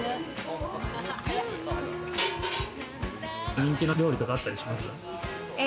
人気の料理とかあったりします？